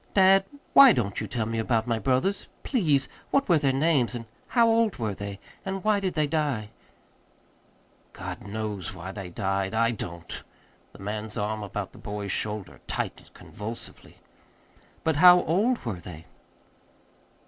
"Dad, WHY won't you tell me about my brothers? Please, what were their names, and how old were they, and why did they die?" [Illustration: "Want you? I always want you!"] "God knows why they died I don't!" The man's arm about the boy's shoulder tightened convulsively. "But how old were they?"